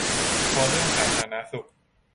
เพราะเรื่องสาธารณสุข